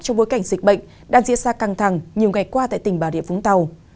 trong bối cảnh dịch bệnh đang diễn ra căng thẳng nhiều ngày qua tại tỉnh bà địa vũng tàu